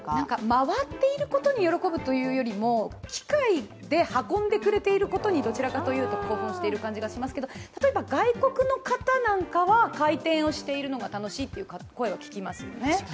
回っていることに喜ぶというよりも、機械で運んでくれていることにどちらかというと興奮している感じがしますけど、例えば外国の方なんかは、回転がしているのが楽しいという声も聞きますよね。